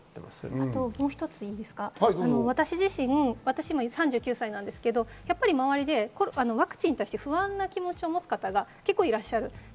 あと一つ、私自身、今３９歳ですが、周りでワクチンに不安な気持ちを持つ方が結構いらっしゃる。